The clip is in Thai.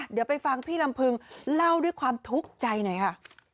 เดี๋ยวไปฟังพี่ลำพึงเล่าด้วยความทุกข์ใจหน่อยค่ะ